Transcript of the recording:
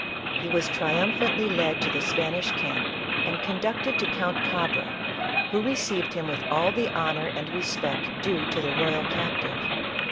He was triumphantly led to the Spanish camp and conducted to Count Cabra, who re ceived him with all the honor and respect due to the royal captive.